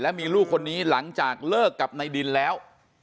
มีลูกคนนี้หลังจากเลิกกับนายดินแล้ว